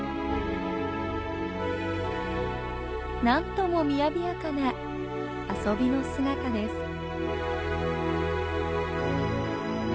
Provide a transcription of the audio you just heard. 何とも雅やかな遊びの姿です。